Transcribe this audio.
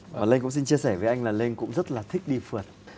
và lênh cũng xin chia sẻ với anh là lênh cũng rất là thích đi phượt